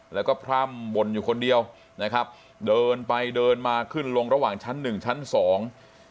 แล้วก็พร่ำบ่นอยู่คนเดียวนะครับเดินไปเดินมาขึ้นลงระหว่างชั้นหนึ่งชั้นสอง